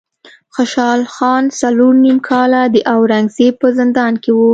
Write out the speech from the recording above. خوشحال خان څلور نیم کاله د اورنګ زیب په زندان کې و.